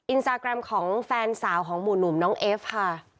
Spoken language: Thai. อินสตาแกรมของแฟนสาวของหมู่หนุ่มน้องเอฟค่ะ